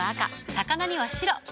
魚には白。